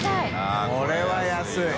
◆舛これは安いよ。